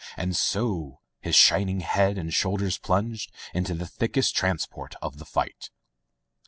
And so his shining head and shoulders plunged Into the thickest transport of the fight.